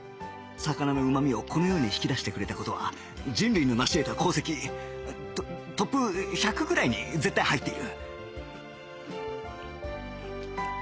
魚のうまみをこのように引き出してくれた事は人類のなし得た功績トトップ１００ぐらいに絶対入っている